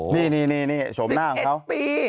นี่โฉมหน้าของเขา